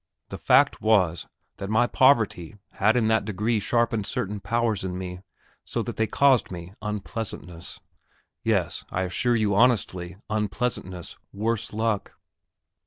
The fact was, that my poverty had in that degree sharpened certain powers in me, so that they caused me unpleasantness. Yes, I assure you honestly, unpleasantness; worse luck!